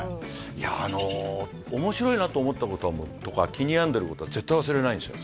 いや面白いなと思ったこととか気に病んでることは絶対忘れないんですよ